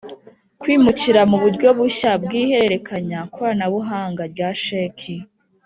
Kwimukira mu buryo bushya bw ihererekanyakoranabuhanga rya sheki